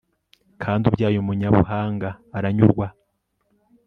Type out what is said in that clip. kandi ubyaye umunyabuhanga aranyurwa